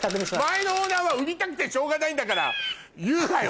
前のオーナーは売りたくてしょうがないんだから言うわよ